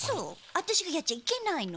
あたしがやっちゃいけないの？